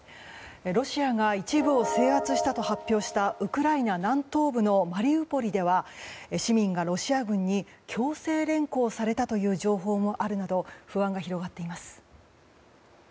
ロシアが一部を制圧したと発表したウクライナ南東部のマリウポリでは市民がロシア軍に強制連行されたという情報もあるなど不安が広がっています。